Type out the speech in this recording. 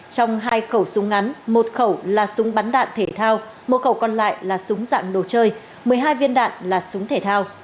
trong hai khẩu súng ngắn một khẩu là súng bắn đạn thể thao một khẩu còn lại là súng dạng đồ chơi một mươi hai viên đạn là súng thể thao